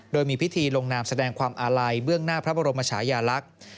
โดยมีพิธีลงนามแสดงความอาลัยเบื้องหน้าพระบรมชายาลักษณ์